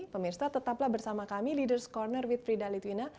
pemirsa tetaplah bersama kami ⁇ leaders corner with frida litwina